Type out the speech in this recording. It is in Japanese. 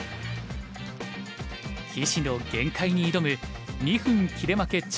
棋士の限界に挑む「２分切れ負け